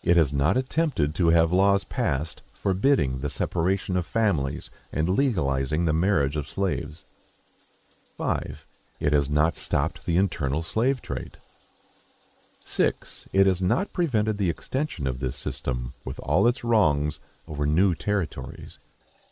It has not attempted to have laws passed forbidding the separation of families and legalizing the marriage of slaves. 5. It has not stopped the internal slavetrade. 6. It has not prevented the extension of this system, with all its wrongs, over new territories.